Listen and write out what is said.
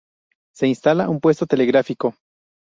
Se instala un puesto telegráfico.